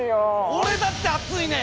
俺だって暑いねん！